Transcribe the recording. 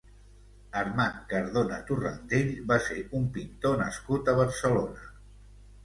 Armand Cardona Torrandell va ser un pintor nascut a Barcelona.